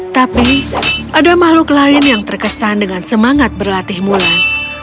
tapi ada makhluk lain yang terkesan dengan semangat berlatih mulan